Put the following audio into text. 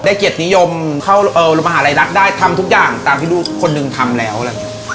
เกียรตินิยมเข้ามหาลัยรักได้ทำทุกอย่างตามที่ลูกคนหนึ่งทำแล้วอะไรอย่างนี้